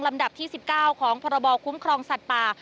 ดับที่๑๙ของพรบคุ้มครองสัตว์ป่า